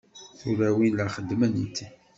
Tulawin la xeddment.